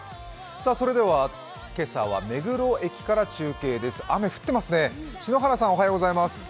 それでは今朝は目黒駅から中継です、雨降ってますね。